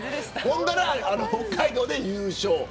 そしたら北海道で優勝。